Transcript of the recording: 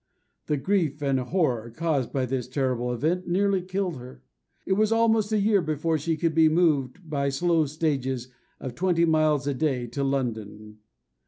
The grief and horror caused by this terrible event nearly killed her. It was almost a year before she could be moved by slow stages of twenty miles a day to London.